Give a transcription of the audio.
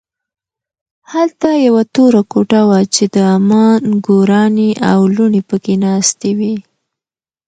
هلته یوه توره کوټه وه چې د عمه نګورانې او لوڼې پکې ناستې وې